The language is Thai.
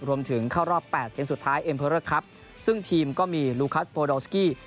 เข้ารอบแปดเกมสุดท้ายเอ็มเพอร์เลอร์ครับซึ่งทีมก็มีลูคัสโพดอลสกี้